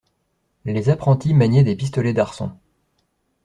Les apprentis maniaient des pistolets d'arçon.